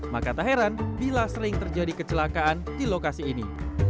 maka tak heran bila sering terjadi kecelakaan di lokasi ini